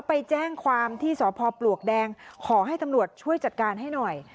ไปแจ้งความที่สพปลวกแดงขอให้ตำรวจช่วยจัดการให้หน่อย